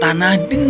tidak bisa pergi